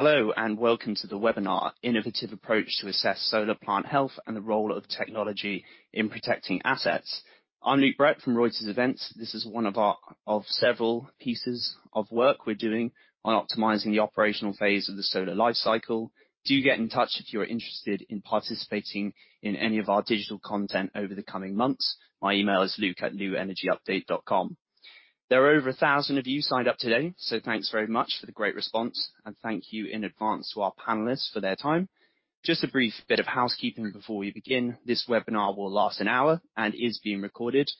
Hello, welcome to the webinar, Innovative Approach to Assess Solar Plant Health and the Role of Technology in Protecting Assets. I'm Luke Brett from Reuters Events. This is one of several pieces of work we're doing on optimizing the operational phase of the solar life cycle. Do get in touch if you're interested in participating in any of our digital content over the coming months. My email is luke@luenergyupdate.com. There are over 1,000 of you signed up today, thanks very much for the great response, thank you in advance to our panelists for their time. Just a brief bit of housekeeping before we begin. This webinar will last an hour and is being recorded.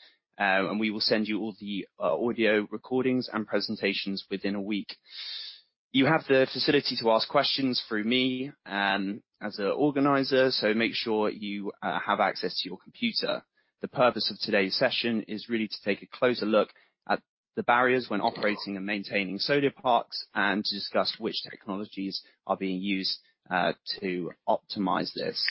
We will send you all the audio recordings and presentations within a week. You have the facility to ask questions through me as an organizer, so make sure you have access to your computer. The purpose of today's session is really to take a closer look at the barriers when operating and maintaining solar parks, and to discuss which technologies are being used to optimize this.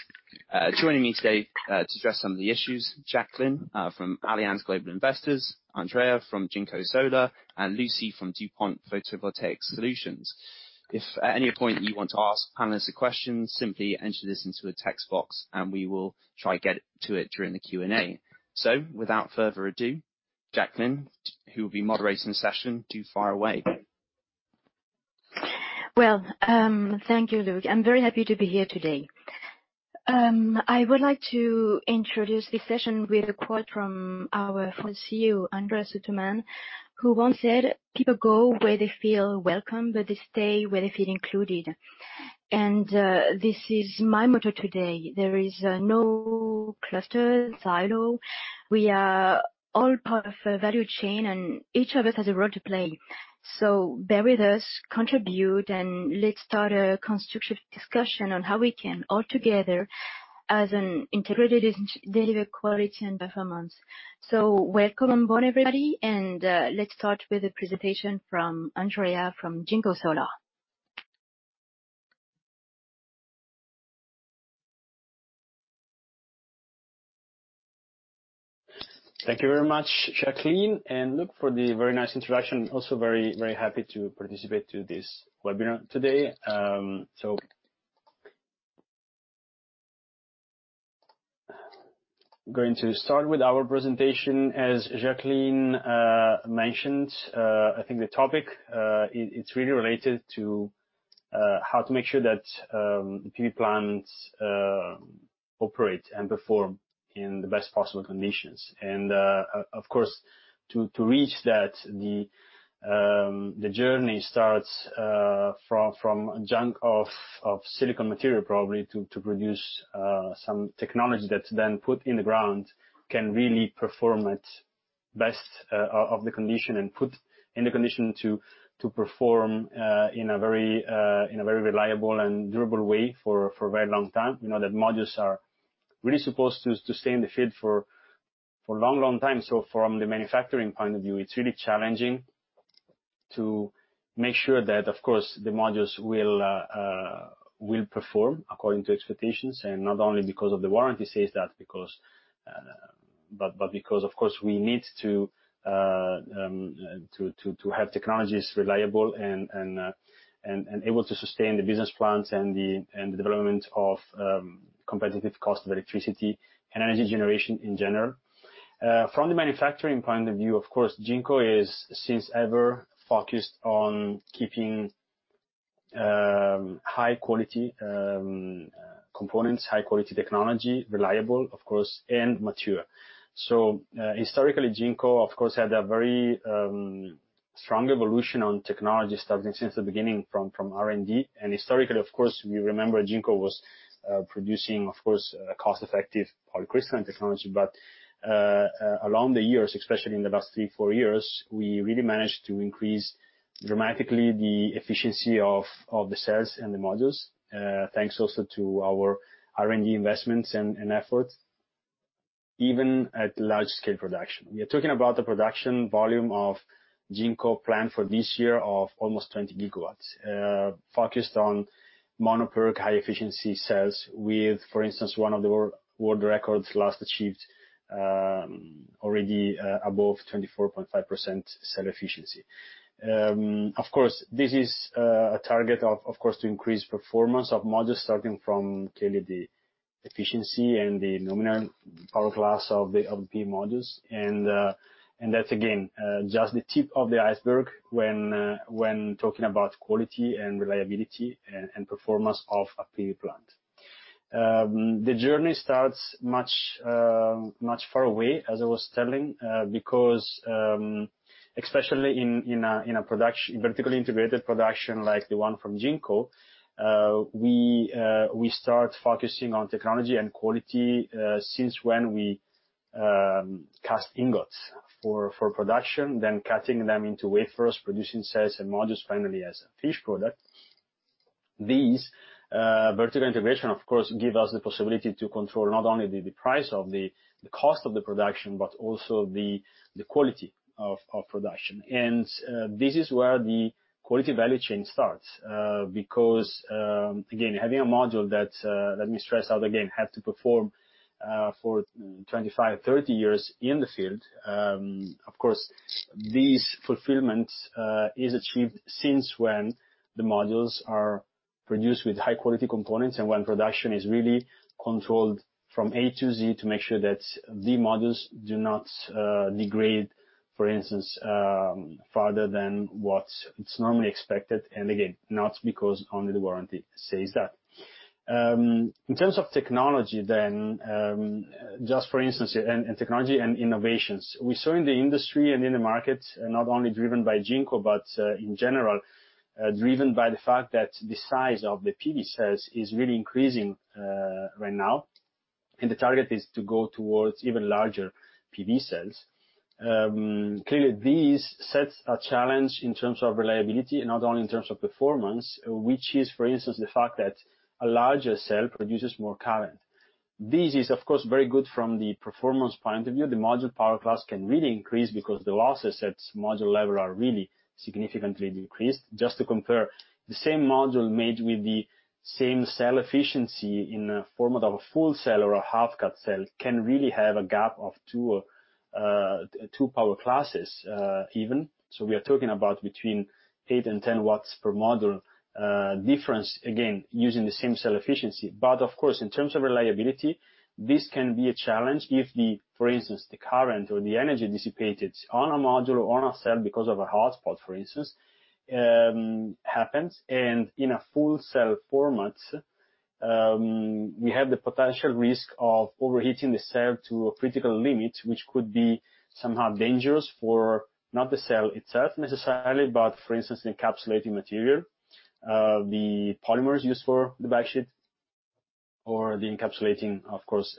Joining me today to address some of the issues, Jacqueline from Allianz Global Investors, Andrea from JinkoSolar, and Lucie from DuPont Photovoltaic Solutions. If at any point you want to ask panelists a question, simply enter this into a text box and we will try to get to it during the Q&A. Without further ado, Jacqueline, who will be moderating the session, do fire away. Thank you, Luke. I'm very happy to be here today. I would like to introduce this session with a quote from our founder CEO, Andreas Utermann, who once said, "People go where they feel welcome, but they stay where they feel included." This is my motto today. There is no cluster, silo. We are all part of a value chain, and each of us has a role to play. Bear with us, contribute, and let's start a constructive discussion on how we can all together as an integrated entity, deliver quality and performance. Welcome on board, everybody, and let's start with a presentation from Andrea from JinkoSolar. Thank you very much, Jacqueline and Luke, for the very nice introduction. Also very happy to participate in this webinar today. Going to start with our presentation. As Jacqueline mentioned, I think the topic is really related to how to make sure that PV plants operate and perform in the best possible conditions. Of course, to reach that, the journey starts from chunk of silicon material, probably, to produce some technology that's then put in the ground, can really perform at best of the condition and put in the condition to perform in a very reliable and durable way for a very long time. You know that modules are really supposed to stay in the field for a long time. From the manufacturing point of view, it's really challenging to make sure that, of course, the modules will perform according to expectations, and not only because of the warranty, says that, but because, of course, we need to have technologies reliable and able to sustain the business plans and the development of competitive cost of electricity and energy generation in general. From the manufacturing point of view, of course, Jinko is since ever focused on keeping high quality components, high quality technology, reliable, of course, and mature. Historically, Jinko, of course, had a very strong evolution on technology, starting since the beginning from R&D. Historically, of course, we remember Jinko was producing, of course, cost-effective polycrystalline technology. Along the years, especially in the last three, four years, we really managed to increase dramatically the efficiency of the cells and the modules, thanks also to our R&D investments and effort, even at large-scale production. We are talking about the production volume of Jinko planned for this year of almost 20 GW, focused on mono PERC high-efficiency cells, with, for instance, one of the world records last achieved, already above 24.5% cell efficiency. Of course, this is a target, of course, to increase performance of modules, starting from clearly the efficiency and the nominal power class of the PV modules. That's, again, just the tip of the iceberg when talking about quality, reliability and performance of a PV plant. The journey starts much far away, as I was telling, because especially in a vertically integrated production like the one from Jinko, we start focusing on technology and quality since when we cast ingots for production, then cutting them into wafers, producing cells and modules, finally as a finished product. These vertical integration, of course, give us the possibility to control not only the price of the cost of the production, but also the quality of production. This is where the quality value chain starts. Because, again, having a module that, let me stress out again, had to perform for 25-30 years in the field. Of course, this fulfillment is achieved since when the modules are produced with high-quality components and when production is really controlled from A to Z to make sure that the modules do not degrade, for instance, further than what it's normally expected. Again, not because only the warranty says that. In terms of technology, just for instance, in technology and innovations, we saw in the industry and in the market, not only driven by Jinko but in general, driven by the fact that the size of the PV cells is really increasing right now. The target is to go towards even larger PV cells. Clearly, this sets a challenge in terms of reliability and not only in terms of performance, which is, for instance, the fact that a larger cell produces more current. This is, of course, very good from the performance point of view. The module power class can really increase because the losses at module level are really significantly decreased. Just to compare, the same module made with the same cell efficiency in a format of a full cell or a half-cut cell can really have a gap of two power classes, even. So, we are talking about between eight and 10 W per module difference, again, using the same cell efficiency. Of course, in terms of reliability, this can be a challenge if the, for instance, the current or the energy dissipated on a module or on a cell because of a hot spot, for instance, happens, and in a full cell format, we have the potential risk of overheating the cell to a critical limit, which could be somehow dangerous for not the cell itself necessarily but, for instance, the encapsulating material, the polymers used for the backsheet or the encapsulating, of course,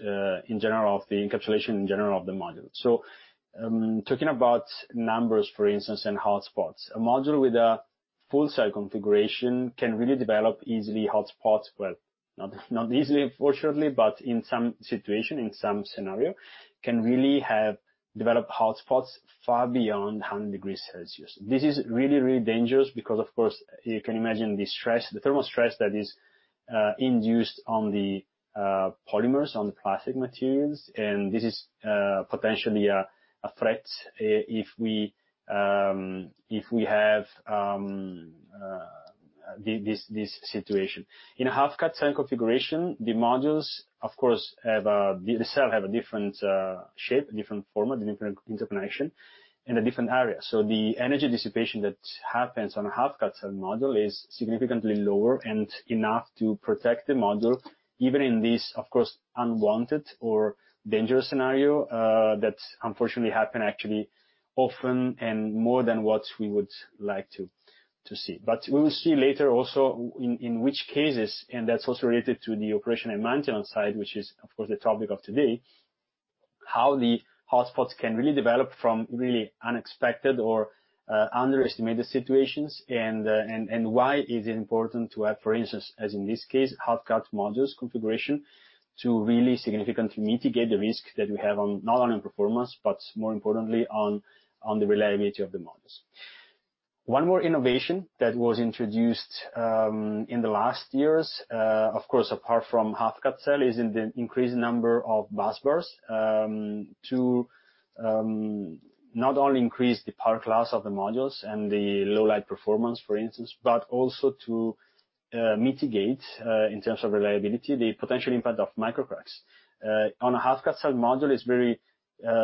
in general, of the encapsulation in general of the module. Talking about numbers, for instance, and hot spots. A module with a full cell configuration can really develop easily hot spots. Well, not easily, unfortunately, but in some situation, in some scenario, can really have developed hot spots far beyond 100 degrees Celsius. This is really, really dangerous because, of course, you can imagine the stress, the thermal stress that is induced on the polymers, on the plastic materials, and this is potentially a threat if we have this situation. In a half-cut cell configuration, the modules, of course, the cell have a different shape, a different format, a different interconnection, and a different area. The energy dissipation that happens on a half-cut cell module is significantly lower and enough to protect the module, even in this, of course, unwanted or dangerous scenario that unfortunately happen actually often and more than what we would like to see. We will see later also in which cases, and that's also related to the operation and maintenance side, which is, of course, the topic of today, how the hot spots can really develop from really unexpected or underestimated situations and why is it important to have, for instance, as in this case, half-cut modules configuration to really significantly mitigate the risk that we have on not only on performance, but more importantly on the reliability of the modules. One more innovation that was introduced in the last years, of course, apart from half-cut cell, is in the increased number of busbars to not only increase the power class of the modules and the low light performance, for instance, but also to mitigate, in terms of reliability, the potential impact of microcracks. On a half-cut cell module, it's very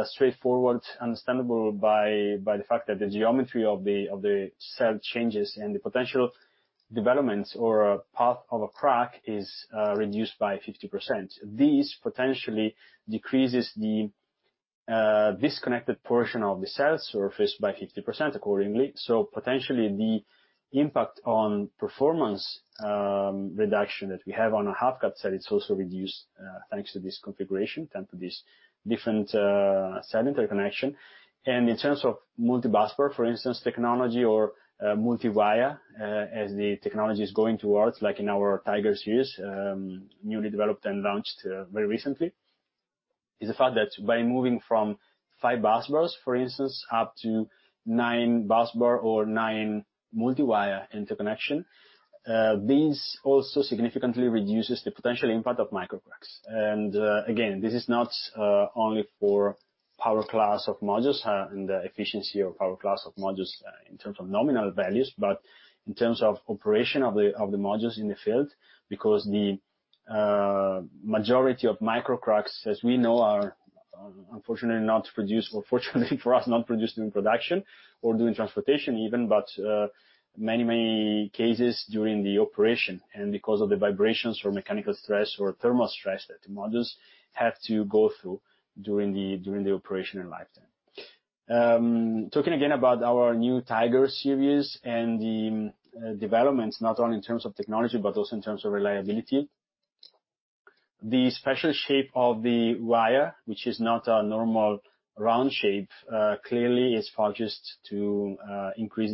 straightforward, understandable by the fact that the geometry of the cell changes, and the potential developments or a path of a crack is reduced by 50%. This potentially decreases the disconnected portion of the cell surface by 50% accordingly. Potentially, the impact on performance reduction that we have on a half-cut cell is also reduced thanks to this configuration and to this different cell interconnection. In terms of multi-busbar, for instance, technology or multi-wire, as the technology is going towards, like in our Tiger series, newly developed and launched very recently, is the fact that by moving from five busbars, for instance, up to nine busbars or nine multi-wire interconnections, this also significantly reduces the potential impact of microcracks. Again, this is not only for power class of modules and the efficiency of power class of modules in terms of nominal values, but in terms of operation of the modules in the field, because the majority of microcracks, as we know, are unfortunately not produced, or fortunately for us, not produced during production or during transportation even, but many, many cases during the operation and because of the vibrations or mechanical stress or thermal stress that the modules have to go through during the operation and lifetime. Talking again about our new Tiger series and the developments, not only in terms of technology but also in terms of reliability, the special shape of the wire, which is not a normal round shape, clearly is focused to increase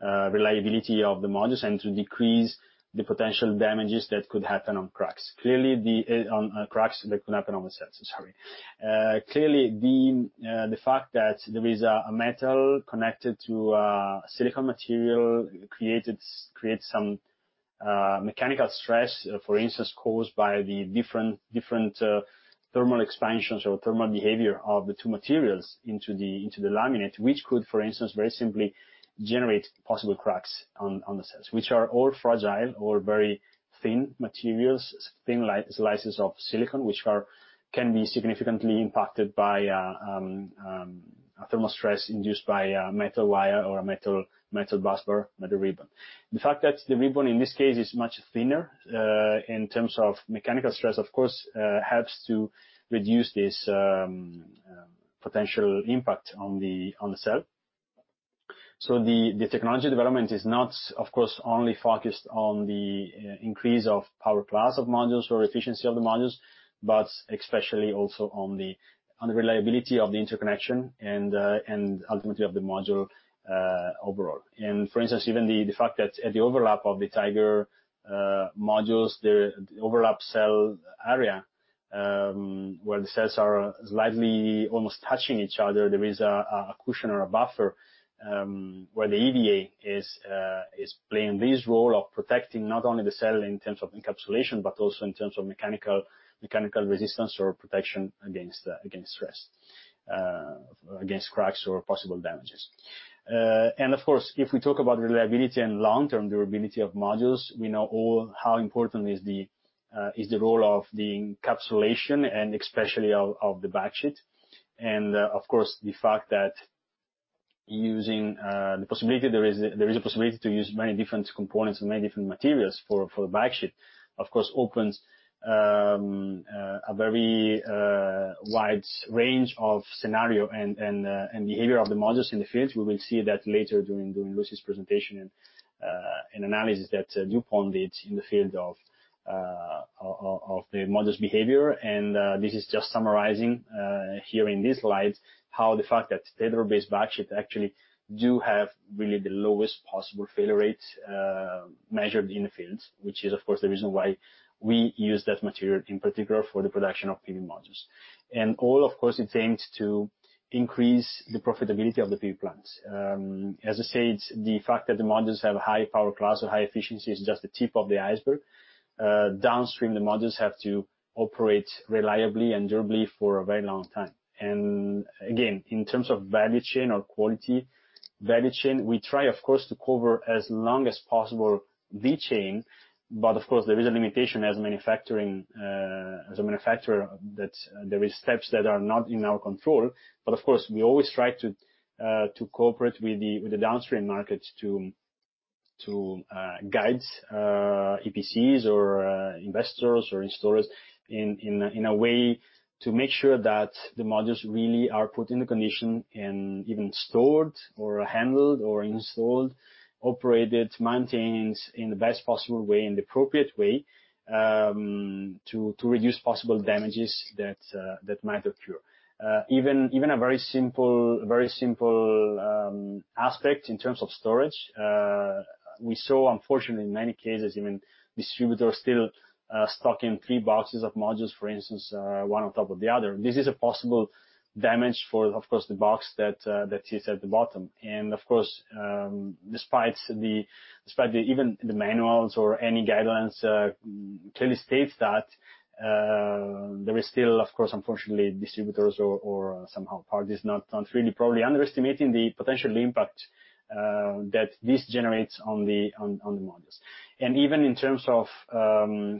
the reliability of the modules and to decrease the potential damages that could happen on cracks. Clearly, on cracks that could happen on the cells, sorry. Clearly, the fact that there is a metal connected to a silicon material creates some mechanical stress, for instance, caused by the different thermal expansions or thermal behavior of the two materials into the laminate, which could, for instance, very simply generate possible cracks on the cells, which are all fragile or very thin materials, thin slices of silicon, which can be significantly impacted by a thermal stress induced by a metal wire or a metal busbar, metal ribbon. The fact that the ribbon, in this case, is much thinner, in terms of mechanical stress, of course, helps to reduce this potential impact on the cell. The technology development is not, of course, only focused on the increase of power class of modules or efficiency of the modules, but especially also on the reliability of the interconnection and ultimately of the module overall. For instance, even the fact that at the overlap of the Tiger modules, the overlap cell area, where the cells are slightly almost touching each other, there is a cushion or a buffer, where the EVA is playing this role of protecting not only the cell in terms of encapsulation, but also in terms of mechanical resistance or protection against stress, against cracks or possible damages. Of course, if we talk about reliability and long-term durability of modules, we know or how important is the role of the encapsulation and especially of the backsheet. Of course, the fact that there is a possibility to use many different components and many different materials for a backsheet, of course, opens a very wide range of scenarios and behavior of the modules in the field. We will see that later during Lucie's presentation and analysis that DuPont did in the field of the module's behavior. This is just summarizing, here in this slide, how the fact that Tedlar-based backsheet actually do have really the lowest possible failure rate measured in the field, which is, of course, the reason why we use that material, in particular, for the production of PV modules. All, of course, it aims to increase the profitability of the PV plants. As I said, the fact that the modules have a high-power class or high efficiency is just the tip of the iceberg. Downstream, the modules have to operate reliably and durably for a very long time. Again, in terms of value chain or quality value chain, we try, of course, to cover as long as possible the chain, but of course, there is a limitation as a manufacturer, that there is steps that are not in our control. Of course, we always try to cooperate with the downstream market to guide EPCs, investors, or installers in a way to make sure that the modules really are put in the condition and even stored or handled or installed, operated, maintained in the best possible way, in the appropriate way, to reduce possible damages that might occur. Even a very simple aspect in terms of storage, we saw, unfortunately, in many cases, even distributors still stocking three boxes of modules, for instance, one on top of the other. This is a possible damage for, of course, the box that is at the bottom. Of course, despite even the manuals or any guidelines clearly states that, there is still, of course, unfortunately, distributors or somehow parties not really probably underestimating the potential impact that this generates on the modules. Even in terms of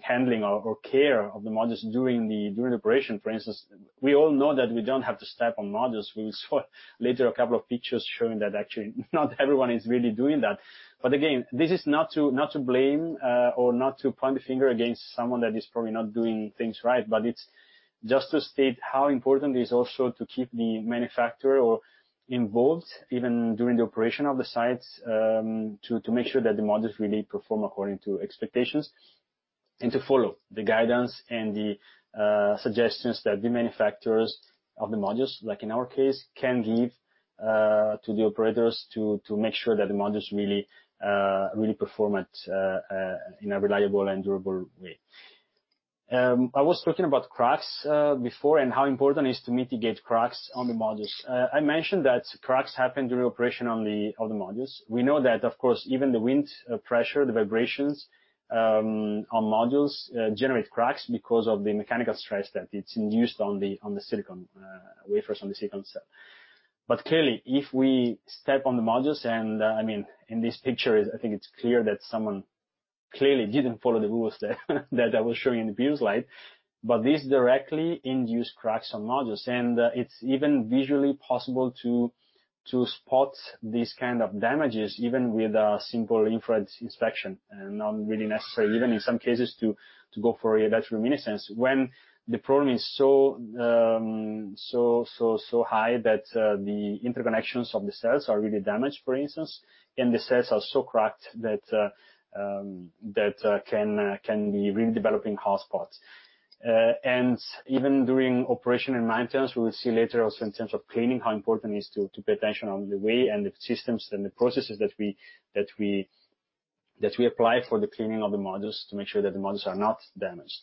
handling or care of the modules during the operation, for instance, we all know that we don't have to step on modules. We will see later a couple of pictures showing that actually not everyone is really doing that. Again, this is not to blame or not to point a finger against someone that is probably not doing things right, but it's just to state how important it is also to keep the manufacturer involved even during the operation of the sites, to make sure that the modules really perform according to expectations, and to follow the guidance and the suggestions that the manufacturers of the modules, like in our case, can give to the operators to make sure that the modules really perform in a reliable and durable way. I was talking about cracks before and how important it is to mitigate cracks on the modules. I mentioned that cracks happen during operation on the modules. We know that, of course, even the wind pressure, the vibrations on modules generate cracks because of the mechanical stress that it's induced on the silicon wafers on the silicon cell. Clearly, if we step on the modules, and in this picture, I think it's clear that someone clearly didn't follow the rules there that I was showing in the previous slide. This directly induced cracks on modules, and it's even visually possible to spot this kind of damages, even with a simple infrared inspection. Not really necessary, even in some cases, to go for a better electroluminescence when the problem is so high that the interconnections of the cells are really damaged, for instance, and the cells are so cracked that can be really developing hotspots. Even during operation and maintenance, we will see later also in terms of cleaning, how important it is to pay attention on the way and the systems and the processes that we apply for the cleaning of the modules to make sure that the modules are not damaged.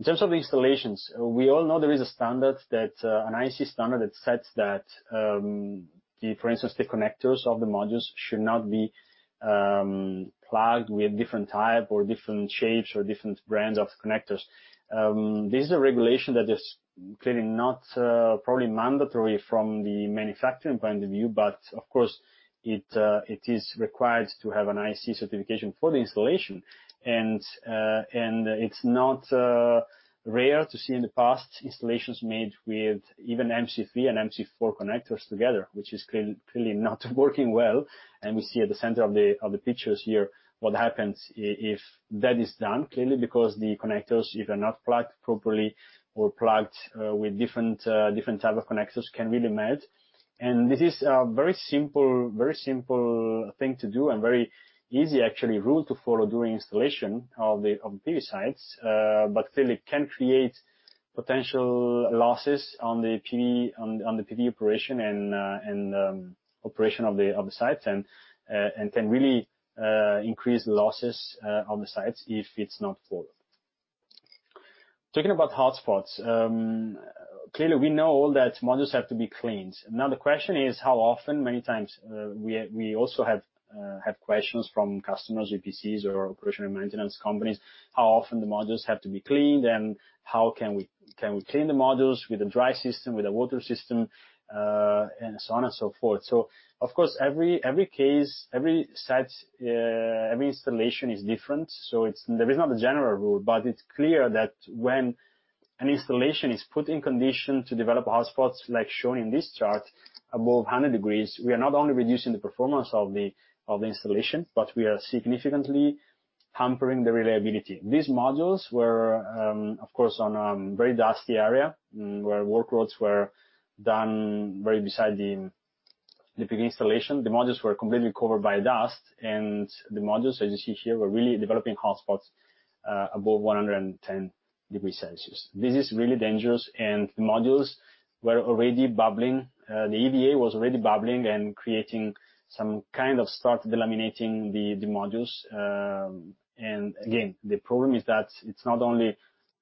In terms of the installations, we all know there is an IEC standard that says that, for instance, the connectors of the modules should not be plugged with different type or, different shapes or different brands of connectors. This is a regulation that is clearly not probably mandatory from the manufacturing point of view. Of course, it is required to have an IEC certification for the installation. It's not rare to see in the past, installations made with even MC4 and MC4 connectors together, which is clearly not working well. We see at the center of the pictures here what happens if that is done. Clearly because the connectors, if they're not plugged properly or plugged with different type of connectors, can really melt. This is a very simple thing to do and very easy, actually, rule to follow during installation of PV sites. Clearly can create potential losses on the PV operation and operation of the sites and, can really increase losses on the sites if it's not followed. Talking about hot spots. Clearly, we know that modules have to be cleaned. Now, the question is how often, many times we also have questions from customers, EPCs, or operation and maintenance companies, how often the modules have to be cleaned and how can we clean the modules with a dry system, with a water system, and so on and so forth. Of course, every case, every site, every installation is different. There is not a general rule, but it's clear that when an installation is put in condition to develop hot spots, like shown in this chart, above 100 degrees, we are not only reducing the performance of the installation, but we are significantly hampering the reliability. These modules were, of course, on a very dusty area, where work roads were done very beside the big installation. The modules were completely covered by dust, and the modules, as you see here, were really developing hot spots above 110 degrees Celsius. This is really dangerous. The modules were already bubbling. The EVA was already bubbling and creating some kind of start, delaminating the modules. Again, the problem is that it's not only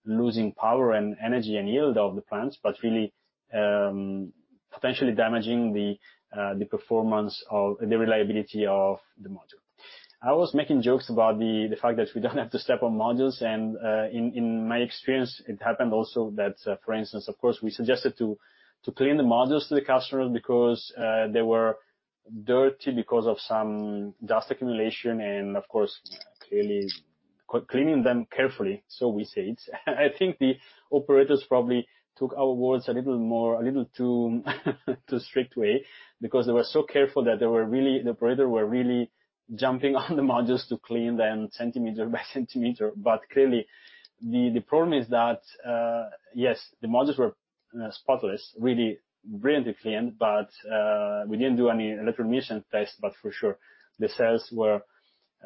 losing power and energy and yield of the plants, but really potentially damaging the performance of the reliability of the module. I was making jokes about the fact that we don't have to step on modules. In my experience, it happened also that, for instance, of course, we suggested to clean the modules to the customer because they were dirty because of some dust accumulation. Of course, clearly cleaning them carefully, so we said. I think the operators probably took our words a little too strict way, because they were so careful that the operator were really jumping on the modules to clean them centimeter by centimeter. Clearly, the problem is that, yes, the modules were spotless, really brilliantly cleaned, but we didn't do any electroluminescence test, but for sure the cells were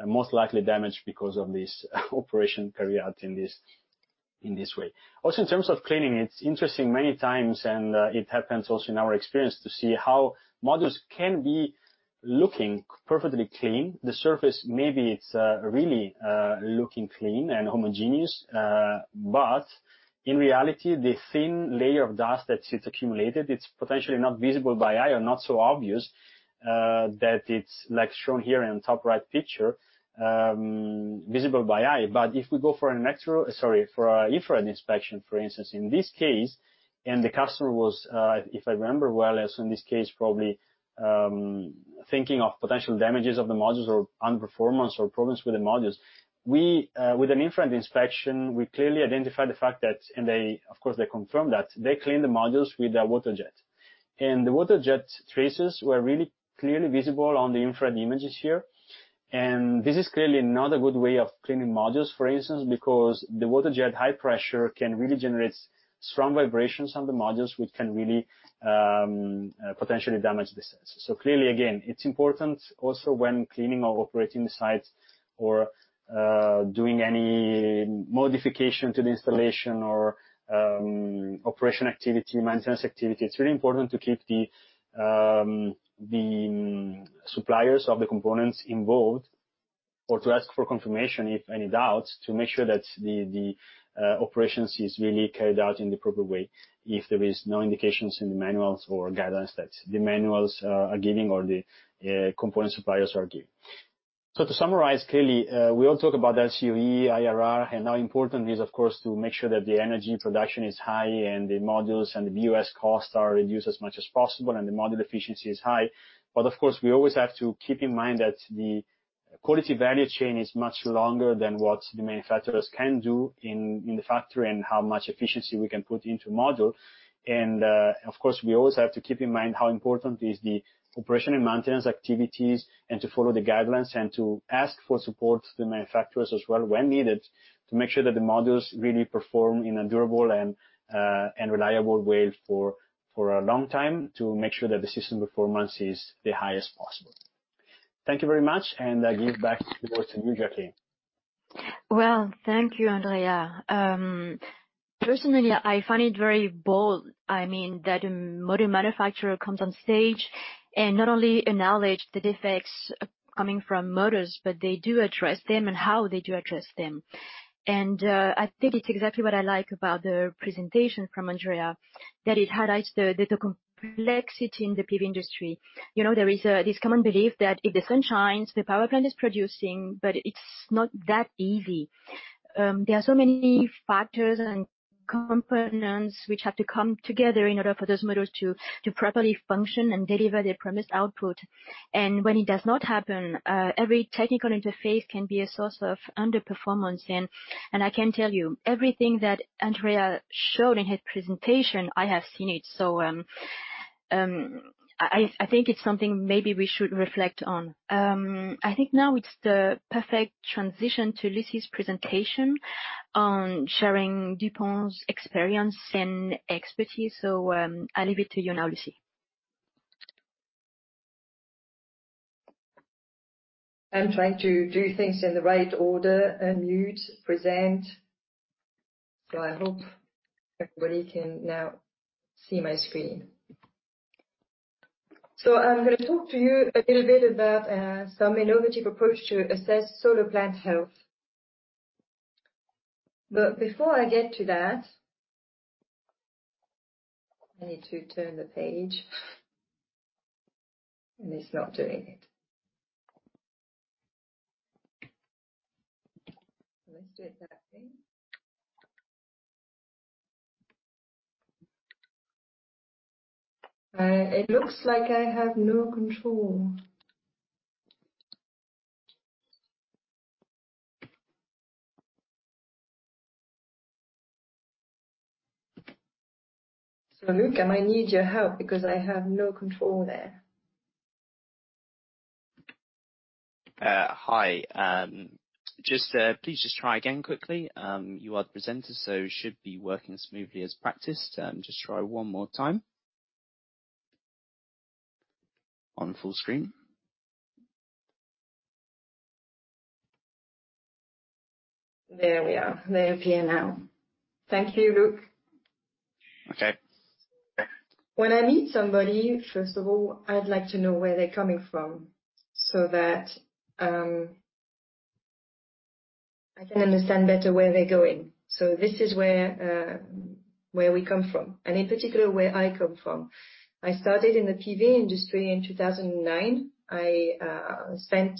most likely damaged because of this operation carried out in this way. In terms of cleaning, its interesting many times, and it happens also in our experience, to see how modules can be looking perfectly clean. The surface maybe it's really looking clean and homogeneous. But, in reality, the thin layer of dust that sits accumulated is potentially not visible by eye or not so obvious, that it's like shown here in top right picture, visible by eye. If we go for an X-ray, sorry, for an infrared inspection, for instance, in this case, the customer was, if I remember well, as in this case, probably thinking of potential damages of the modules or underperformance or problems with the modules. With an infrared inspection, we clearly identified the fact that they, of course, confirmed that they cleaned the modules with a water jet. The water jet traces were really clearly visible on the infrared images here. This is clearly not a good way of cleaning modules, for instance, because the water jet high pressure can really generate strong vibrations on the modules, which can really potentially damage the cells. Clearly, again, it's important also when cleaning or operating the sites or doing any modification to the installation or operation activity, maintenance activity, it's really important to keep the suppliers of the components involved or to ask for confirmation if any doubts, to make sure that the operations is really carried out in the proper way, if there is no indications in the manuals or guidelines that the manuals are giving or the component suppliers are giving. To summarize, clearly, we all talk about LCOE, IRR, and how important is, of course, to make sure that the energy production is high and the modules and the BoS costs are reduced as much as possible, and the module efficiency is high. Of course, we always have to keep in mind that the quality value chain is much longer than what the manufacturers can do in the factory and how much efficiency we can put into a module. Of course, we always have to keep in mind how important is the operation and maintenance activities and to follow the guidelines and to ask for support to the manufacturers as well when needed, to make sure that the modules really perform in a durable and reliable way for a long time, to make sure that the system performance is the highest possible. Thank you very much, and I give back the floor to you, Jacqueline. Thank you, Andrea. Personally, I find it very bold. I mean, that a module manufacturer comes on stage and not only acknowledge the defects coming from modules, but they do address them and how they do address them. I think it's exactly what I like about the presentation from Andrea, that it highlights the complexity in the PV industry. There is this common belief that if the sun shines, the power plant is producing, but it's not that easy. There are so many factors and components which have to come together in order for those modules to properly function and deliver their promised output. When it does not happen, every technical interface can be a source of underperformance. I can tell you, everything that Andrea showed in his presentation, I have seen it. I think it's something maybe we should reflect on. I think now it's the perfect transition to Lucie's presentation on sharing DuPont's experience and expertise. I'll leave it to you now, Lucie. I'm trying to do things in the right order. Unmute, present. I hope everybody can now see my screen. I'm going to talk to you a little bit about some innovative approach to assess solar plant health. Before I get to that, I need to turn the page, and it's not doing it. Let's do it that way. It looks like I have no control. Luke, I might need your help because I have no control there. Hi. Please just try again quickly. You are the presenter, so it should be working smoothly as practiced. Just try one more time on full screen. There we are. They appear now. Thank you, Luke. Okay. When I meet somebody, first of all, I'd like to know where they're coming from, so that I can understand better where they're going. This is where we come from, and in particular, where I come from. I started in the PV industry in 2009. I spent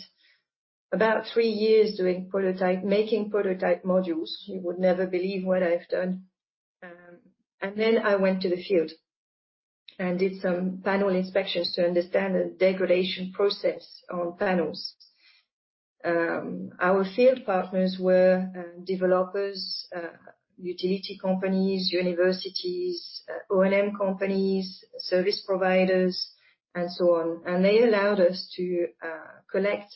about three years doing prototypes, making prototype modules. You would never believe what I've done. Then I went to the field and did some panel inspections to understand the degradation process on panels. Our field partners were developers, utility companies, universities, O&M companies, service providers, and so on. They allowed us to collect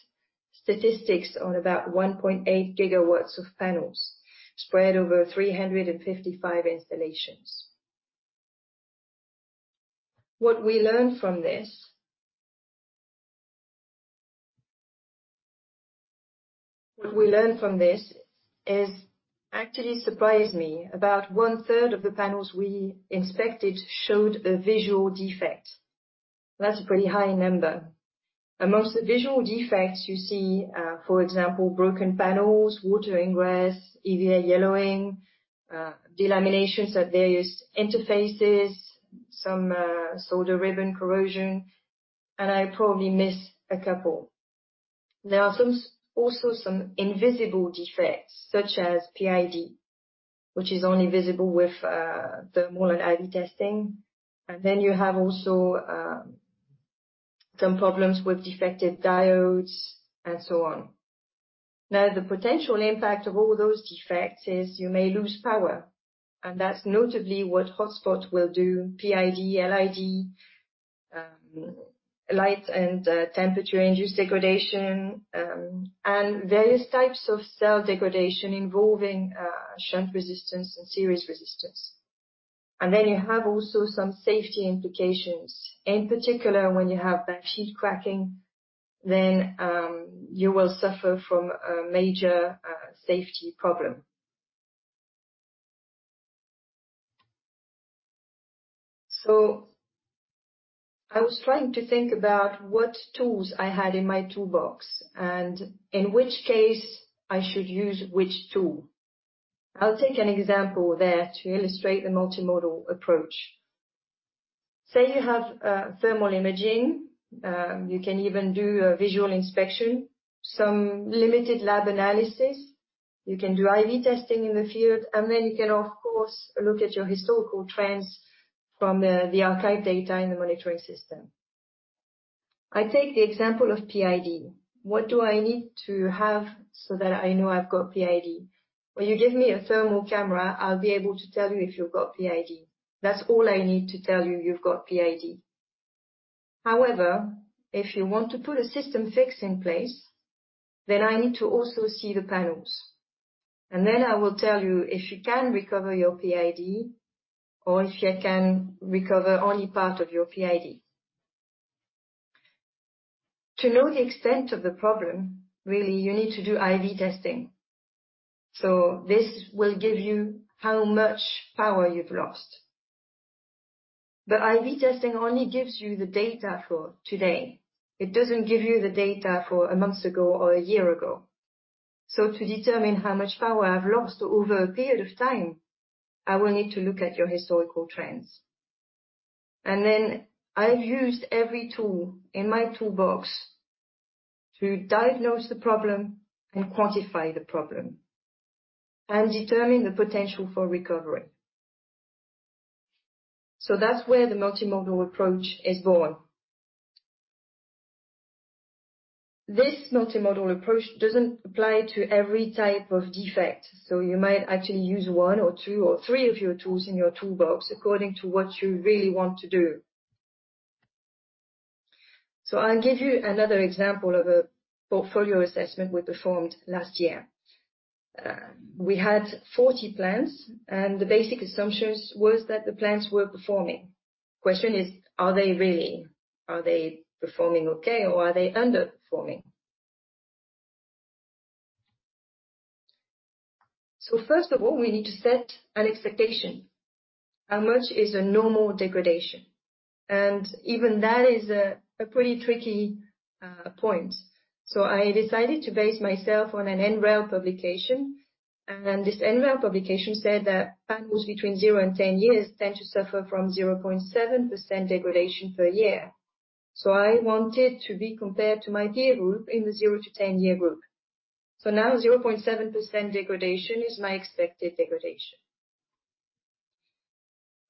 statistics on about 1.8 GW of panels spread over 355 installations. What we learned from this actually surprised me. About one-third of the panels we inspected showed a visual defect. That's a pretty high number. Amongst the visual defects you see, for example, broken panels, water ingress, EVA yellowing, delaminations at various interfaces, some solder ribbon corrosion, and I probably miss a couple. There are also some invisible defects, such as PID, which is only visible with thermal IV testing. You have also some problems with defective diodes and so on. Now, the potential impact of all those defects is you may lose power, and that's notably what hotspot will do, PID, LID, light and temperature induced degradation, and various types of cell degradation involving shunt resistance and series resistance. You have also some safety implications. In particular, when you have backsheet cracking, then you will suffer from a major safety problem. I was trying to think about what tools I had in my toolbox, and in which case I should use which tool. I'll take an example there to illustrate the multimodal approach. Say you have thermal imaging, you can even do a visual inspection, some limited lab analysis. You can do IV testing in the field, and then you can, of course, look at your historical trends from the archive data in the monitoring system. I take the example of PID. What do I need to have so that I know I've got PID? When you give me a thermal camera, I'll be able to tell you if you've got PID. That's all I need to tell you you've got PID. However, if you want to put a system fix in place, then I need to also see the panels, and then I will tell you if you can recover your PID or if you can recover only part of your PID. To know the extent of the problem, really, you need to do IV testing. This will give you how much power you've lost. IV testing only gives you the data for today. It doesn't give you the data for a month ago or a year ago. To determine how much power I've lost over a period of time, I will need to look at your historical trends. Then I've used every tool in my toolbox to diagnose the problem, quantify the problem, and determine the potential for recovery. That's where the multimodal approach is born. This multimodal approach doesn't apply to every type of defect. You might actually use one or two or three of your tools in your toolbox according to what you really want to do. I'll give you another example of a portfolio assessment we performed last year. We had 40 plants, and the basic assumptions was that the plants were performing. Question is, are they really? Are they performing okay, or are they underperforming? First of all, we need to set an expectation. How much is a normal degradation? Even that is a pretty tricky point. I decided to base myself on an NREL publication, and this NREL publication said that panels between 0-10 years tend to suffer from 0.7% degradation per year. I wanted to be compared to my peer group in the 0-10 year group. Now 0.7% degradation is my expected degradation.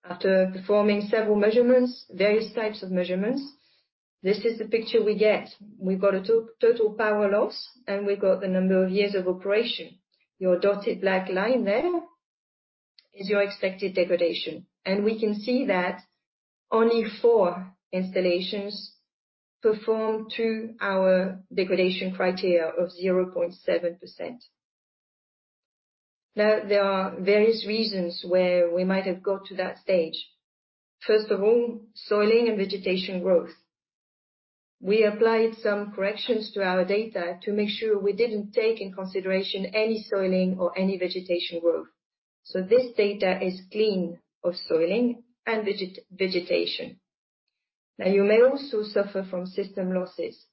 After performing several measurements, various types of measurements, this is the picture we get. We've got a total power loss, and we've got the number of years of operation. Your dotted black line there is your expected degradation. We can see that only four installations perform to our degradation criteria of 0.7%. Now, there are various reasons where we might have got to that stage. First of all, soiling and vegetation growth. We applied some corrections to our data to make sure we didn't take into consideration any soiling or any vegetation growth. This data is clean of soiling and vegetation. Now, you may also suffer from system losses.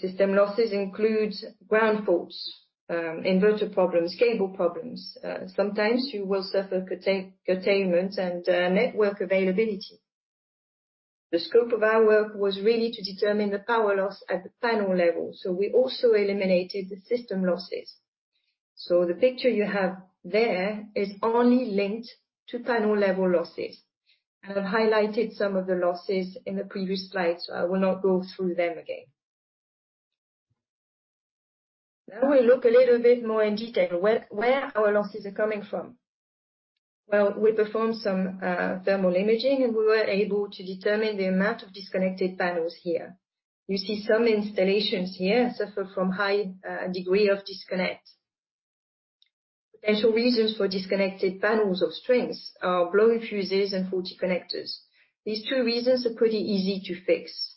System losses include ground faults, inverter problems, cable problems. Sometimes you will suffer curtailment and network availability. The scope of our work was really to determine the power loss at the panel-level. We also eliminated the system losses. The picture you have there is only linked to panel-level losses. I have highlighted some of the losses in the previous slide, so I will not go through them again. Now we look a little bit more in detail where our losses are coming from. Well, we performed some thermal imaging, and we were able to determine the amount of disconnected panels here. You see some installations here suffer from high degree of disconnect. Potential reasons for disconnected panels or strings are blown fuses and faulty connectors. These two reasons are pretty easy to fix.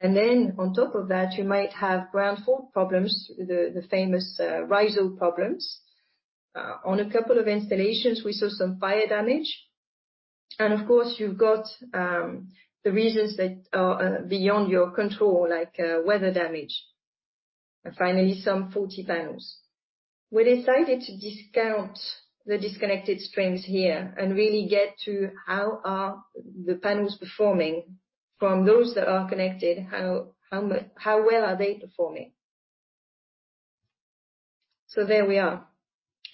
Then on top of that, you might have ground fault problems, the famous resistive problems. On a couple of installations, we saw some fire damage, and of course, you've got the reasons that are beyond your control, like weather damage, and finally, some faulty panels. We decided to discount the disconnected strings here and really get to how are the panels performing from those that are connected, how well are they performing. There we are.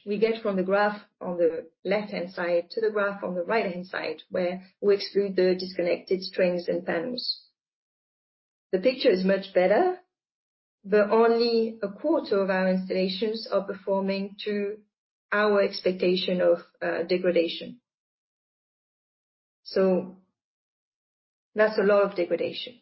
We get from the graph on the left-hand side to the graph on the right-hand side, where we exclude the disconnected strings and panels. The picture is much better, but only a quarter of our installations are performing to our expectation of degradation. That's a lot of degradation.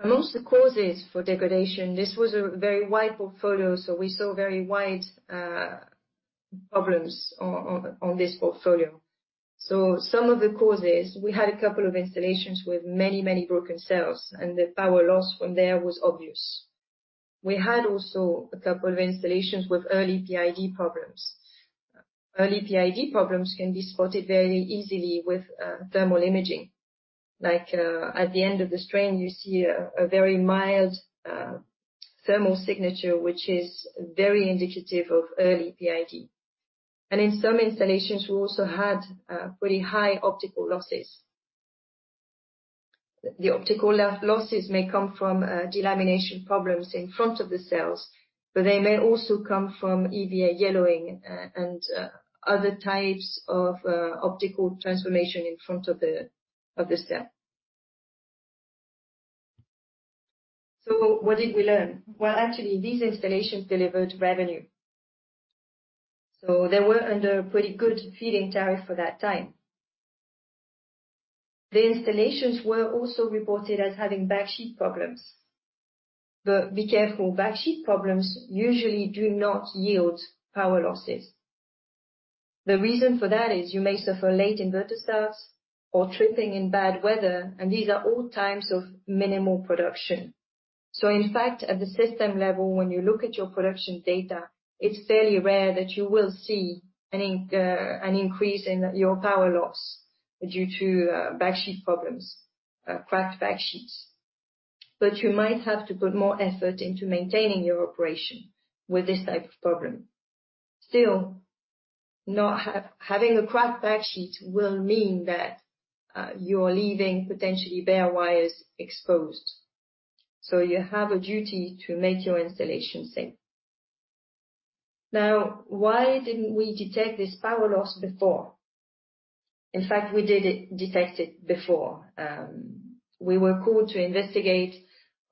Amongst the causes for degradation, this was a very wide portfolio, so we saw very wide problems on this portfolio. Some of the causes, we had a couple of installations with many broken cells, and the power loss from there was obvious. We had also a couple of installations with early PID problems. Early PID problems can be spotted very easily with thermal imaging. Like at the end of the string, you see a very mild thermal signature, which is very indicative of early PID. In some installations, we also had pretty high optical losses. The optical losses may come from delamination problems in front of the cells, but they may also come from EVA yellowing and other types of optical transformation in front of the cell. What did we learn? Well, actually, these installations delivered revenue. They were under a pretty good feed-in tariff for that time. The installations were also reported as having backsheet problems. Be careful, backsheet problems usually do not yield power losses. The reason for that is you may suffer late inverter starts or tripping in bad weather, and these are all times of minimal production. In fact, at the system level, when you look at your production data, it's fairly rare that you will see an increase in your power loss due to backsheet problems or cracked backsheets. You might have to put more effort into maintaining your operation with this type of problem. Still, having a cracked backsheet will mean that you're leaving potentially bare wires exposed. You have a duty to make your installation safe. Why didn't we detect this power loss before? We did detect it before. We were called to investigate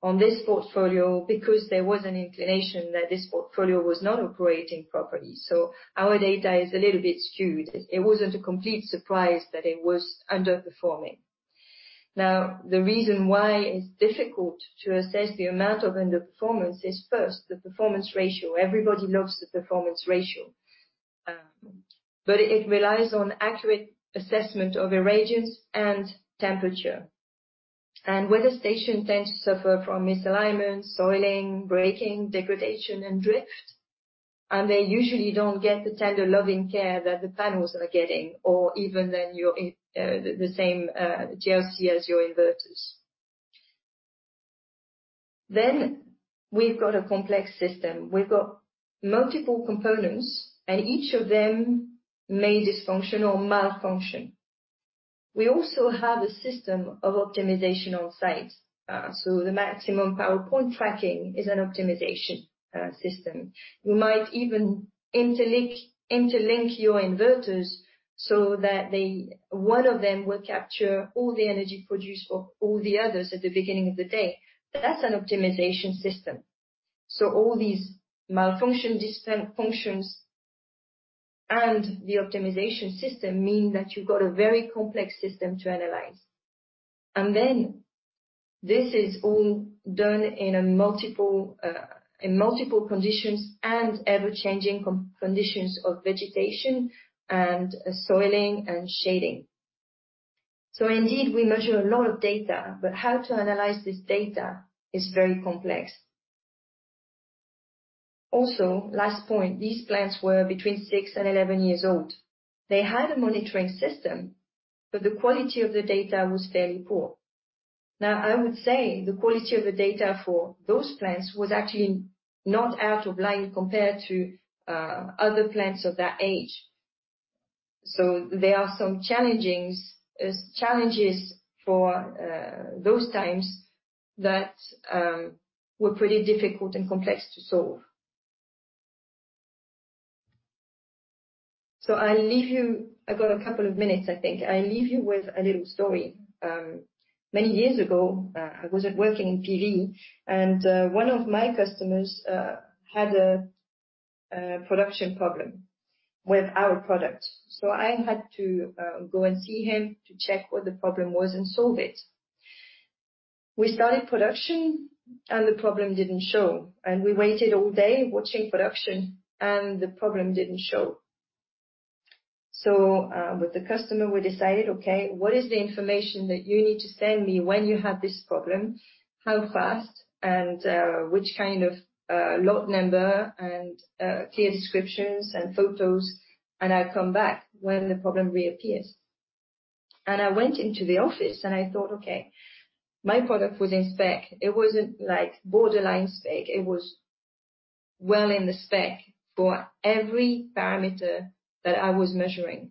on this portfolio because there was an inclination that this portfolio was not operating properly. Our data is a little bit skewed. It wasn't a complete surprise that it was underperforming. The reason why it's difficult to assess the amount of underperformance is first, the performance ratio. Everybody knows the performance ratio, but it relies on accurate assessment of irradiance and temperature. Weather stations tend to suffer from misalignment, soiling, breaking, degradation, and drift, and they usually don't get the tender loving care that the panels are getting, or even the same TLC as your inverters. We've got a complex system. We've got multiple components, and each of them may dysfunction or malfunction. We also have a system of optimization on-site. The maximum power point tracking is an optimization system. You might even interlink your inverters so that one of them will capture all the energy produced for all the others at the beginning of the day. That's an optimization system. All these malfunctions and the optimization system mean that you've got a very complex system to analyze. This is all done in multiple conditions and ever-changing conditions of vegetation, soiling, and shading. Indeed, we measure a lot of data, but how to analyze this data is very complex. Last point, these plants were between six and 11 years old. They had a monitoring system, but the quality of the data was fairly poor. I would say the quality of the data for those plants was actually not out of line compared to other plants of that age. There are some challenges for those times that were pretty difficult and complex to solve. I've got a couple of minutes, I think. I'll leave you with a little story. Many years ago, I wasn't working in PV, and one of my customers had a production problem with our product. I had to go and see him to check what the problem was and solve it. We started production, and the problem didn't show, and we waited all day watching production, and the problem didn't show. With the customer, we decided, okay, what is the information that you need to send me when you have this problem, how fast, and which kind of lot number and clear descriptions and photos, and I'll come back when the problem reappears. I went into the office and I thought, okay, my product was in spec. It wasn't borderline spec. It was well in the spec for every parameter that I was measuring.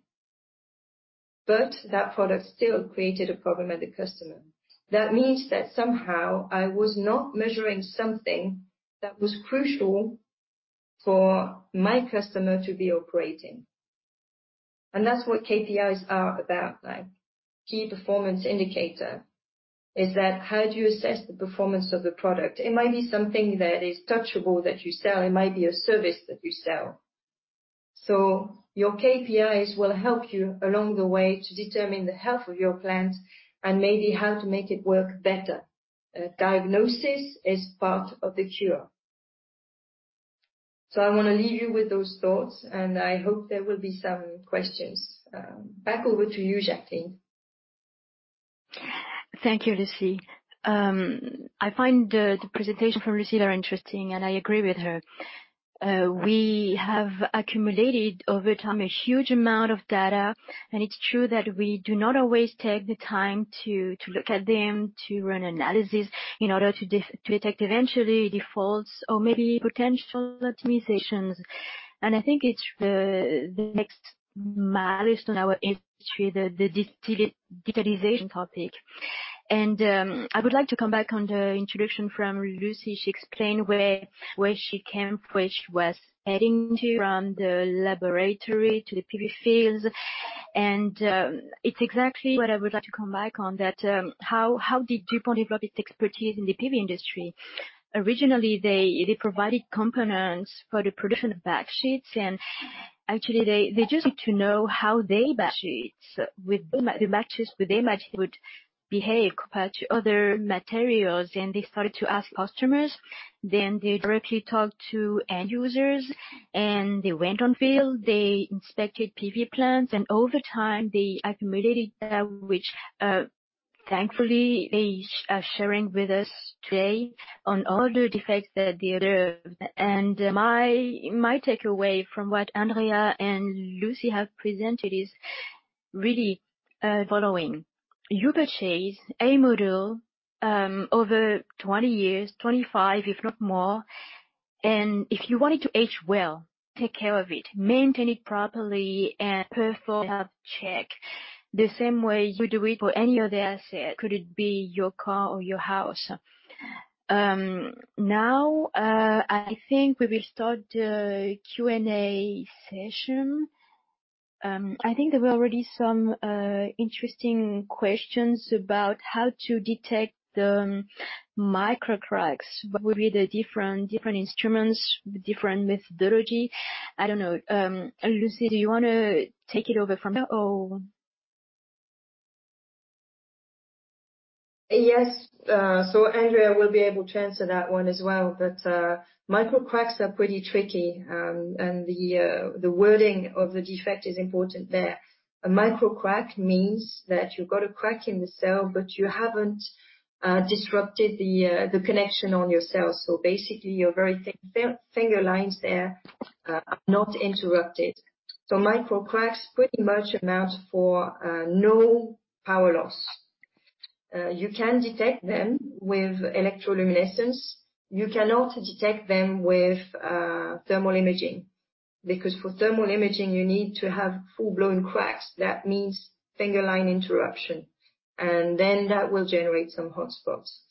That product still created a problem at the customer. That means that somehow I was not measuring something that was crucial for my customer to be operating. That's what KPIs are about, like key performance indicator, is that how do you assess the performance of the product? It might be something that is touchable that you sell. It might be a service that you sell. Your KPIs will help you along the way to determine the health of your plant and maybe how to make it work better. Diagnosis is part of the cure. I want to leave you with those thoughts, and I hope there will be some questions. Back over to you, Jacqueline. Thank you, Lucie. I find the presentation from Lucie interesting. I agree with her. We have accumulated over time a huge amount of data. It's true that we do not always take the time to look at them, to run analysis in order to detect eventually defaults or maybe potential optimizations. I think it's the next milestone in our industry, the digitalization topic. I would like to come back on the introduction from Lucie. She explained where she came from, where she was heading to from the laboratory to the PV fields. It's exactly what I would like to come back on, that how did DuPont develop its expertise in the PV industry? Originally, they provided components for the production of backsheets. Actually, they just need to know how their backsheets with the matches they imagined would behave compared to other materials. They started to ask customers. They directly talked to end users, and they went on field, they inspected PV plants, and over time, they accumulated data, which thankfully they are sharing with us today on all the defects that they observed. My takeaway from what Andrea and Lucie have presented is really following. You purchase a module over 20 years, 25 if not more, and if you want it to age well, take care of it, maintain it properly, and perform a health check. The same way you do it for any other asset, could it be your car or your house? Now, I think we will start the Q&A session. I think there were already some interesting questions about how to detect the micro cracks with the different instruments, different methodology. I don't know. Lucie, do you want to take it over from here or? Yes. Andrea will be able to answer that one as well. Micro cracks are pretty tricky, and the wording of the defect is important there. A micro crack means that you've got a crack in the cell, but you haven't disrupted the connection on your cell. Basically, your very thin finger lines there are not interrupted. Micro cracks pretty much amount for no power loss. You can detect them with electroluminescence. You cannot detect them with thermal imaging, because for thermal imaging, you need to have full-blown cracks. That means finger line interruption, that will generate some hot spots.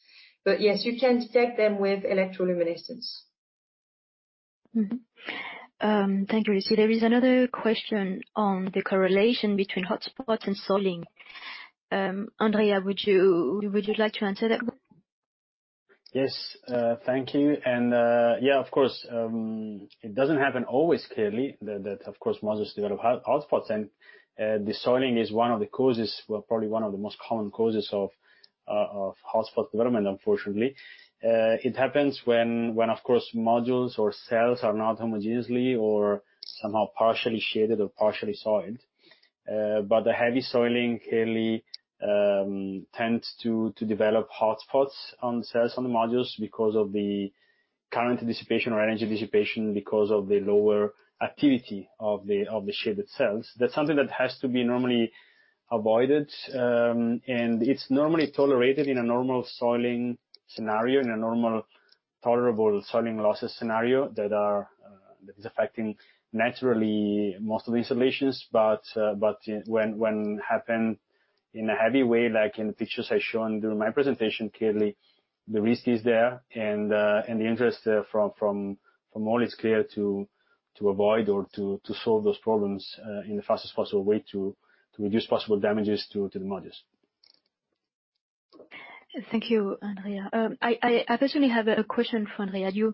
Yes, you can detect them with electroluminescence. Mm-hmm. Thank you, Lucie. There is another question on the correlation between hot spots and soiling. Andrea, would you like to answer that one? Yes. Thank you. Yeah, of course. It doesn't happen always clearly that, of course, modules develop hot spots, and the soiling is one of the causes, well, probably one of the most common causes of hot spot development, unfortunately. It happens when, of course, modules or cells are not homogeneously or somehow partially shaded or partially soiled. The heavy soiling clearly tends to develop hot spots on cells, on the modules because of the current dissipation or energy dissipation, because of the lower activity of the shaded cells. That's something that has to be normally avoided, and it's normally tolerated in a normal soiling scenario, in a normal tolerable soiling losses scenario that is affecting naturally most of the installations. When happened in a heavy way, like in the pictures I shown during my presentation, clearly the risk is there, and the interest from all is clear to avoid or to solve those problems, in the fastest possible way to reduce possible damages to the modules. Thank you, Andrea. I personally have a question for Andrea. You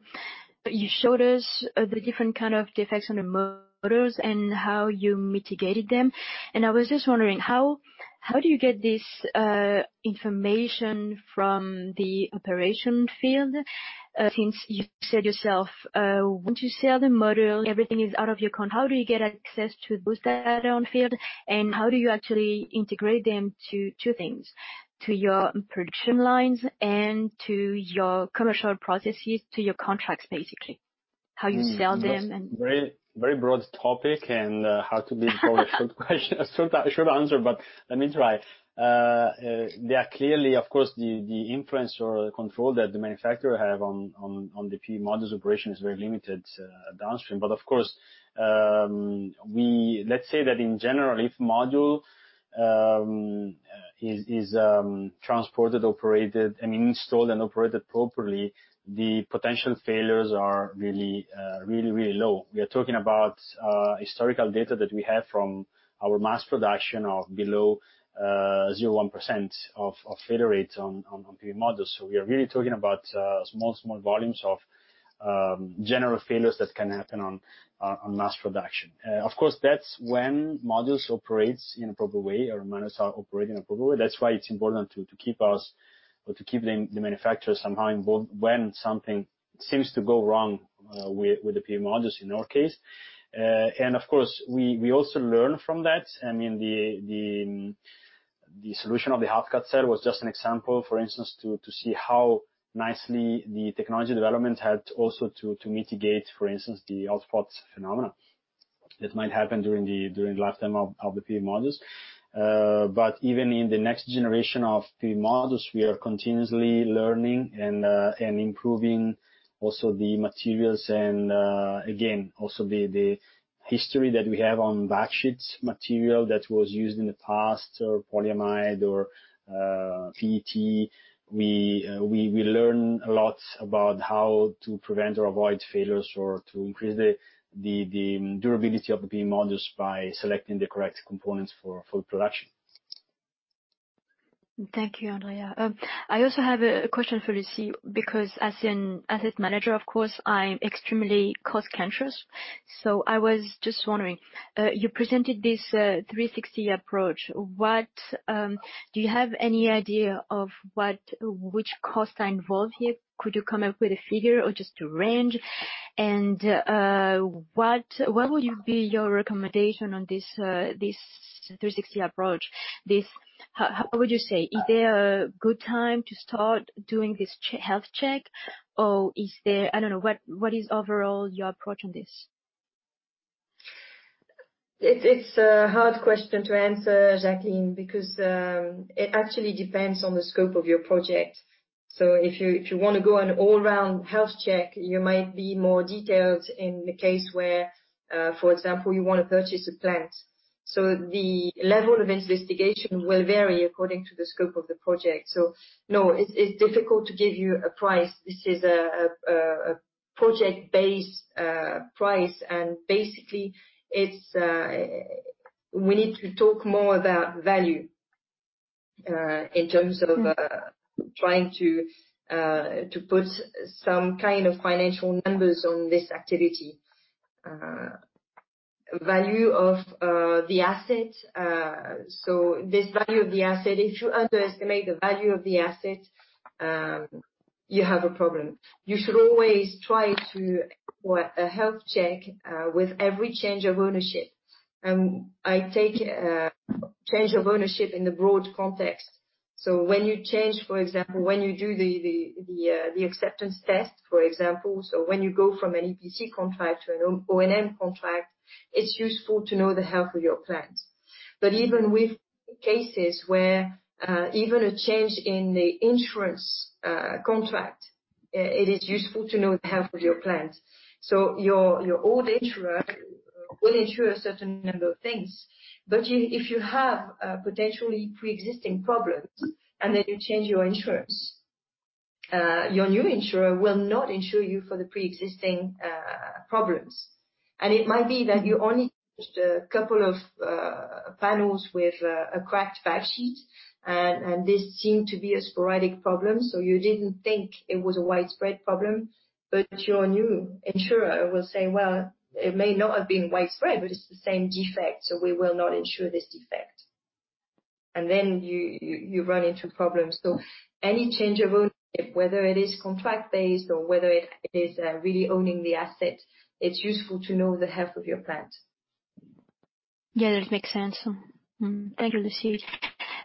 showed us the different kind of defects on the modules and how you mitigated them, and I was just wondering, how do you get this information from the operation field? Since you said yourself, once you sell the module, everything is out of your, how do you get access to those data on field, and how do you actually integrate them to two things, to your production lines and to your commercial processes, to your contracts, basically, how you sell them? Very broad topic and how to build. Probably a short answer, let me try. There are clearly, of course, the influence or the control that the manufacturer have on the PV modules operation is very limited downstream. Of course, let's say that in general, if module is transported, operated, I mean, installed and operated properly, the potential failures are really low. We are talking about historical data that we have from our mass production of below 0.1% of failure rates on PV modules. We are really talking about small volumes of general failures that can happen on mass production. Of course, that's when modules operates in a proper way or modules are operating appropriately. That's why it's important to keep us or to keep the manufacturer somehow involved when something seems to go wrong with the PV modules in our case. Of course, we also learn from that. The solution of the half-cut cell was just an example, for instance, to see how nicely the technology development had also to mitigate, for instance, the hot spots phenomena that might happen during the lifetime of the PV modules. Even in the next generation of PV modules, we are continuously learning and improving also the materials and, again, also the history that we have on backsheets material that was used in the past or polyamide or PET. We learn a lot about how to prevent or avoid failures or to increase the durability of the PV modules by selecting the correct components for full production. Thank you, Andrea. I also have a question for Lucie, because as an asset manager, of course, I'm extremely cost-conscious. I was just wondering, you presented this 360 approach. Do you have any idea of which costs are involved here? Could you come up with a figure or just a range? What would be your recommendation on this 360 approach? Is there a good time to start doing this health check, or what is overall your approach on this? It's a hard question to answer, Jacqueline, because it actually depends on the scope of your project. If you want to go on all-round health check, you might be more detailed in the case where, for example, you want to purchase a plant. The level of investigation will vary according to the scope of the project. No, it's difficult to give you a price. This is a project-based price, and basically, we need to talk more about value, in terms of trying to put some kind of financial numbers on this activity. Value of the asset. This value of the asset, if you underestimate the value of the asset, you have a problem. You should always try to acquire a health check with every change of ownership, and I take change of ownership in the broad context. When you change, for example, when you do the acceptance test, for example. When you go from an EPC contract to an O&M contract, it's useful to know the health of your plant. Even with cases where even a change in the insurance contract, it is useful to know the health of your plant. Your old insurer will insure a certain number of things, but if you have potentially preexisting problems and then you change your insurance, your new insurer will not insure you for the preexisting problems. It might be that you only purchased a couple of panels with a cracked backsheet, and this seemed to be a sporadic problem, so you didn't think it was a widespread problem. Your new insurer will say, "Well, it may not have been widespread, but it's the same defect, so we will not insure this defect." Then you run into problems. Any change of ownership, whether it is contract-based or whether it is really owning the asset, it's useful to know the health of your plant. Yeah, that makes sense. Thank you, Lucie.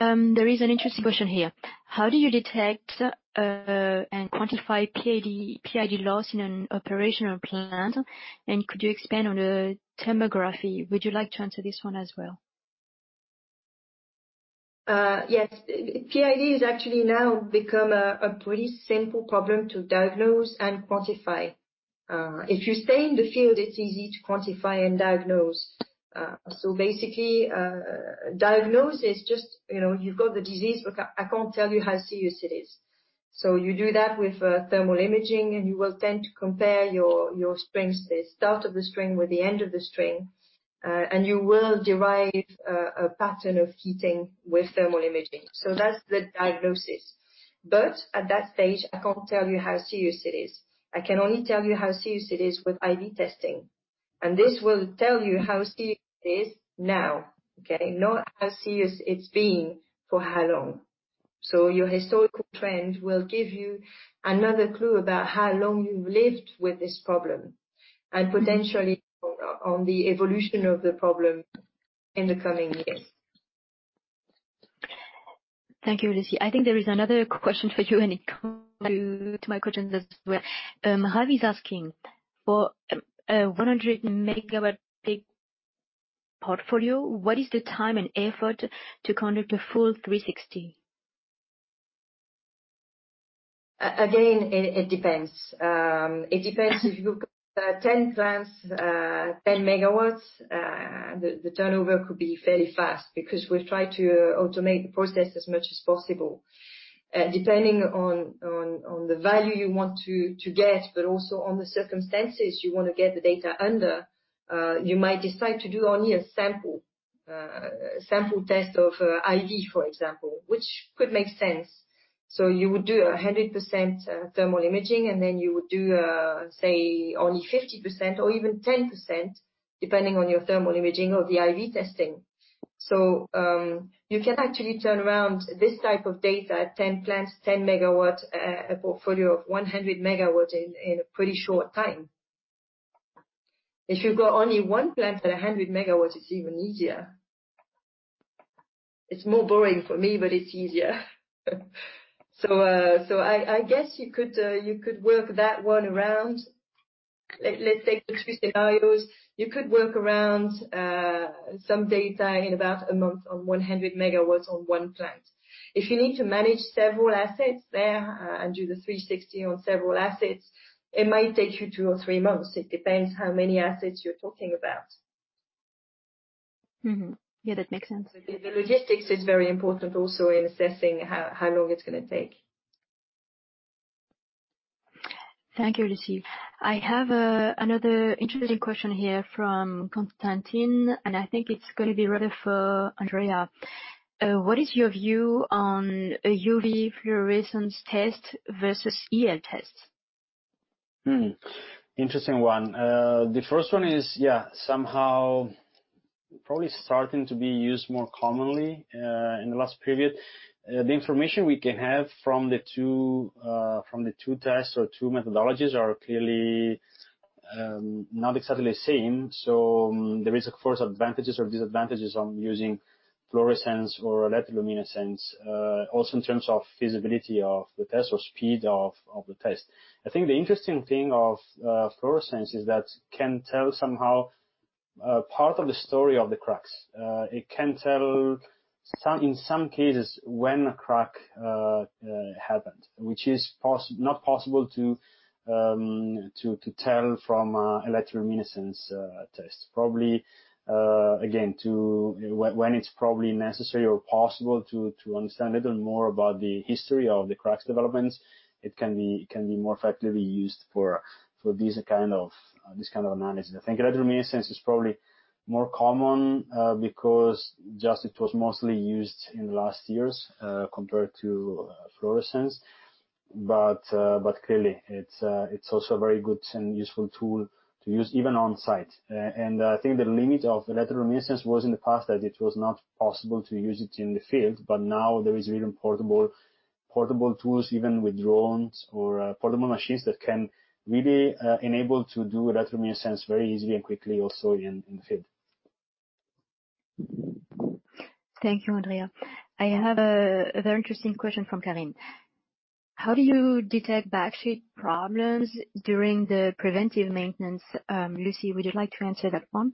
There is an interesting question here. How do you detect and quantify PID loss in an operational plant? Could you expand on the thermography? Would you like to answer this one as well? Yes. PID is actually now become a pretty simple problem to diagnose and quantify. If you stay in the field, it's easy to quantify and diagnose. Basically, diagnose is just, you've got the disease, but I can't tell you how serious it is. You do that with thermal imaging, and you will tend to compare your strings, the start of the string with the end of the string, and you will derive a pattern of heating with thermal imaging. That's the diagnosis. At that stage, I can't tell you how serious it is. I can only tell you how serious it is with IV testing, and this will tell you how serious it is now, okay? Not how serious it's been for how long. Your historical trend will give you another clue about how long you've lived with this problem and potentially on the evolution of the problem in the coming years. Thank you, Lucie. I think there is another question for you, and it comes to my questions as well. Ravi is asking, for a 100 MW peak portfolio, what is the time and effort to conduct a full 360? It depends. It depends if you've got 10 plants, 10 MW, the turnover could be fairly fast because we've tried to automate the process as much as possible. Depending on the value you want to get, but also on the circumstances you want to get the data under, you might decide to do only a sample test of IV, for example, which could make sense. You would do 100% thermal imaging, and then you would do, say, only 50% or even 10%, depending on your thermal imaging or the IV testing. You can actually turn around this type of data, 10 plants, 10 MW, a portfolio of 100 MW in a pretty short time. If you've got only one plant at 100 MW, it's even easier. It's more boring for me, but it's easier. I guess you could work that one around. Let's take the two scenarios. You could work around some data in about a month on 100 MW on one plant. If you need to manage several assets there and do the 360 on several assets, it might take you two or three months. It depends how many assets you're talking about. Mm-hmm. Yeah, that makes sense. The logistics is very important also in assessing how long it's going to take. Thank you, Lucie. I have another interesting question here from Constantine. I think it's going to be rather for Andrea. What is your view on a UV fluorescence test versus EL tests? Interesting one. The first one is, yeah, somehow probably starting to be used more commonly, in the last period. The information we can have from the two tests or two methodologies are clearly not exactly the same. There is, of course, advantages or disadvantages on using fluorescence or electroluminescence, also in terms of feasibility of the test or speed of the test. I think the interesting thing of fluorescence is that it can tell somehow part of the story of the cracks. It can tell in some cases when a crack happened, which is not possible to tell from electroluminescence tests. Probably, again, when it's probably necessary or possible to understand a little more about the history of the crack's developments, it can be more effectively used for this kind of analysis. I think electroluminescence is probably more common because just it was mostly used in the last years compared to fluorescence. Clearly, it's also a very good and useful tool to use even on-site. I think the limit of electroluminescence was in the past that it was not possible to use it in the field, but now there is really portable tools, even with drones or portable machines that can really enable to do electroluminescence very easily and quickly, also in the field. Thank you, Andrea. I have a very interesting question from Carine: How do you detect backsheet problems during the preventive maintenance? Lucie, would you like to answer that one?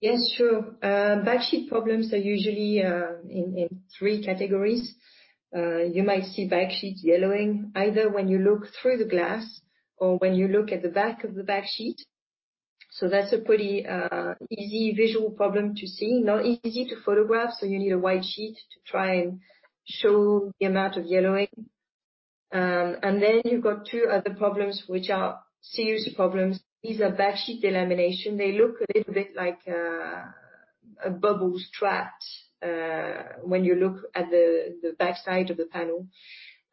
Yes, sure. Backsheet problems are usually in three categories. You might see backsheets yellowing either when you look through the glass or when you look at the back of the backsheet. That's a pretty easy visual problem to see. Not easy to photograph, so you need a white sheet to try and show the amount of yellowing. You've got two other problems which are serious problems. These are backsheet delamination. They look a little bit like bubbles trapped when you look at the backside of the panel.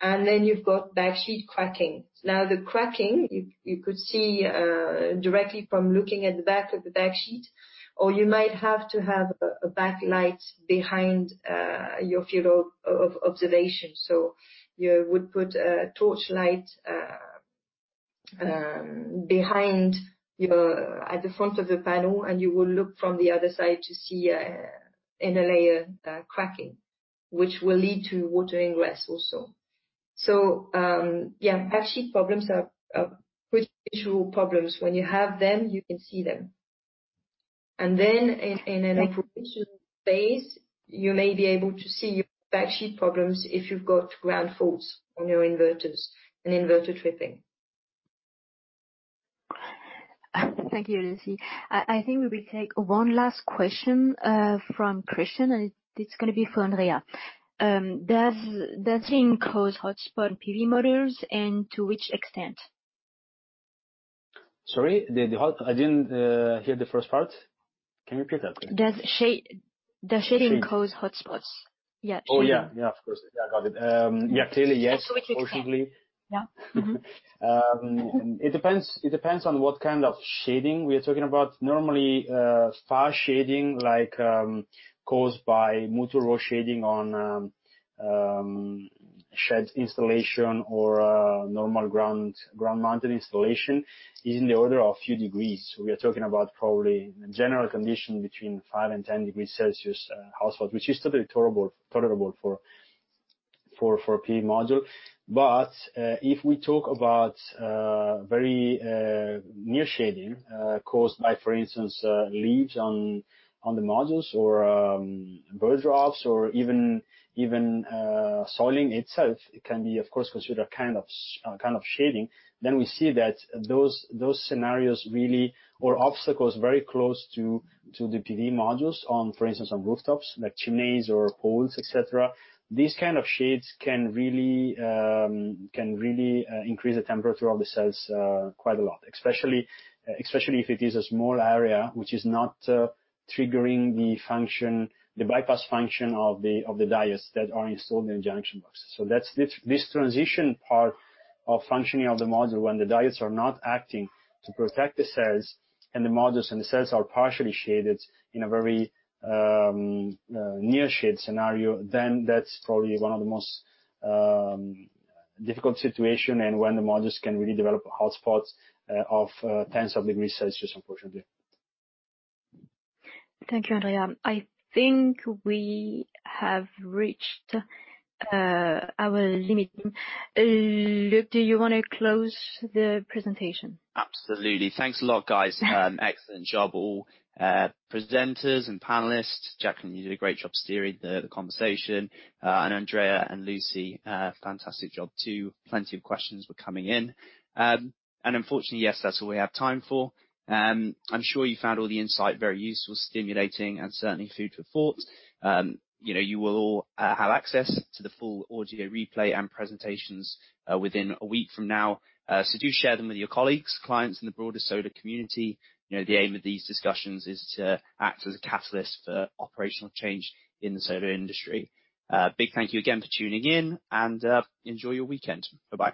You've got backsheet cracking. Now, the cracking, you could see directly from looking at the back of the backsheet, or you might have to have a backlight behind your field of observation. You would put a torchlight behind at the front of the panel, and you will look from the other side to see inner layer cracking, which will lead to water ingress also. Yeah, backsheet problems are pretty visual problems. When you have them, you can see them. In an operational phase, you may be able to see your backsheet problems if you've got ground faults on your inverters and inverter tripping. Thank you, Lucie. I think we will take one last question, from Christian, and it's going to be for Andrea. Does shading cause hotspot PV modules, and to which extent? Sorry, I didn't hear the first part. Can you repeat that, please? Does shading cause hotspots? Yeah. Oh, yeah. Of course. Yeah, got it. Yeah, clearly, yes. To which extent? Fortunately. Yeah. Mm-hmm. It depends on what kind of shading we are talking about. Normally, far shading, like, caused by multiple row shading on shed installation or a normal ground-mounted installation is in the order of a few degrees. We are talking about probably a general condition between five and 10 degrees Celsius hotspot, which is totally tolerable for a PV module. If we talk about very near shading, caused by, for instance, leaves on the modules or bird drops or even soiling itself, it can be, of course, considered a kind of shading. We see that those scenarios really or obstacles very close to the PV modules, for instance, on rooftops, like chimneys or poles, et cetera. These kinds of shades can really increase the temperature of the cells quite a lot. Especially if it is a small area which is not triggering the bypass function of the diodes that are installed in the junction box. This transition part of functioning of the module, when the diodes are not acting to protect the cells, and the modules and the cells are partially shaded in a very near shade scenario, then that's probably one of the most difficult situations, and when the modules can really develop hotspots of tens of degrees Celsius, unfortunately. Thank you, Andrea. I think we have reached our limit. Luke, do you want to close the presentation? Absolutely. Thanks a lot, guys. Excellent job, all presenters and panelists. Jacqueline, you did a great job steering the conversation. Andrea and Lucie, fantastic job, too. Plenty of questions were coming in. Unfortunately, yes, that's all we have time for. I'm sure you found all the insight very useful, stimulating, and certainly food for thought. You will all have access to the full audio replay and presentations within a week from now. Do share them with your colleagues, clients in the broader solar community. The aim of these discussions is to act as a catalyst for operational change in the solar industry. Big thank you again for tuning in and enjoy your weekend. Bye-bye.